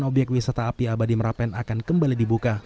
tidak bisa memastikan kapan objek wisata api abadi merapen akan kembali dibuka